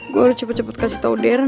gue harus cepet cepet kasih tau darren